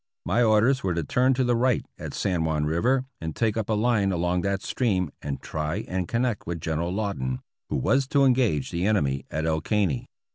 My orders were to turn to the right at San Juan River and take up a line along that stream and try and connect with General Lawton, who was to engage the enemy at El Caney.